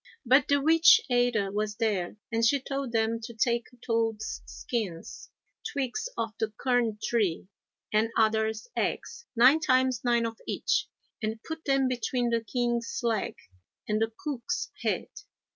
But the witch Ada was there and she told them to take toads' skins, twigs of the cuirn tree, and adders' eggs, nine times nine of each, and put them between the king's leg and the cook's head.